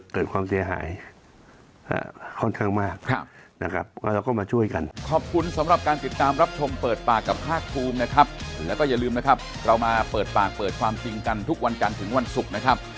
เขาอาจจะเกิดความเสียหายค่อนข้างมาก